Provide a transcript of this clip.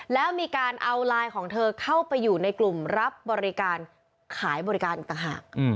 แล้วมีการเอาไลน์ของเธอเข้าไปอยู่ในกลุ่มรับบริการขายบริการอีกต่างหาก